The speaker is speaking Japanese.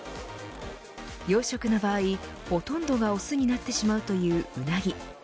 養殖の場合、ほとんどが雄になってしまうというウナギ。